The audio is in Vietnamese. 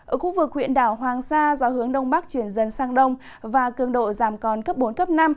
ở khu vực huyện đảo hoàng sa gió hướng đông bắc chuyển dần sang đông và cường độ giảm còn cấp bốn cấp năm